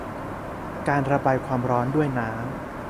การระบายความร้อนด้วยน้ำ